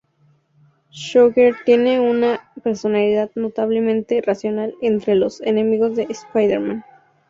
Shocker tiene una personalidad notablemente racional entre los enemigos de Spider-Man.